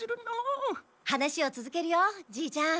話をつづけるよじーちゃん。